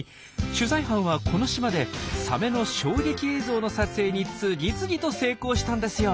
取材班はこの島でサメの衝撃映像の撮影に次々と成功したんですよ。